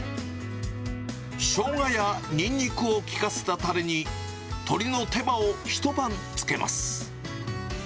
ショウガやニンニクを効かせたたれに、鶏の手羽を一晩漬けます。